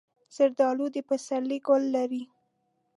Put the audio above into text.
زردالو د پسرلي ګل لري.